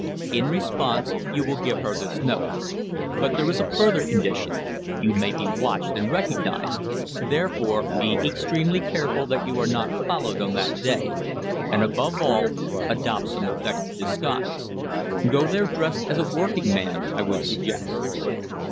In response you will give her this note. But there is a further condition. You may be watched and recognised. Therefore, be extremely careful that you are not followed on that day, and, above all, adopt some effective disguise. Go there dressed as a working man, I would suggest."